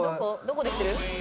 どこできてる？